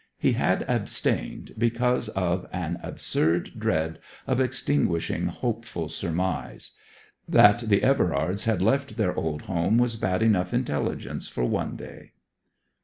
He had abstained because of an absurd dread of extinguishing hopeful surmise. That the Everards had left their old home was bad enough intelligence for one day.